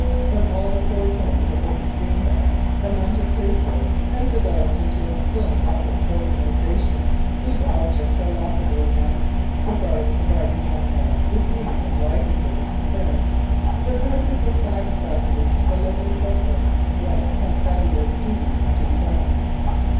From all the foregoing it will be seen that the Mounted Police Force has developed into a philan thropic organisation, whose objects are laudable enough, so far as providing young men with means of liveli hood is concerned, but hardly so satisfactory to the lonely settler when "constabulary duty's to be done."